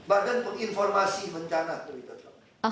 badan penginformasi bencana